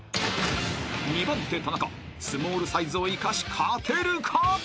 ［２番手田中スモールサイズを生かし勝てるか？］